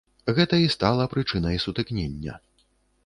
Гэта і стала прычынай сутыкнення.